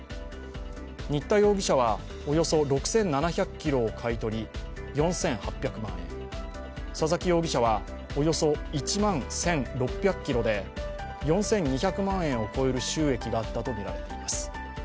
新田容疑者はおよそ６７００ｋｇを買い取り４８００万円、佐々木容疑者はおよそ１万１６００ｋｇで４２００万円を超える収益があったとみられています。